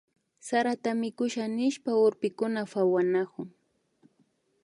Sarata mikusha nishpa urpikuna pawanakun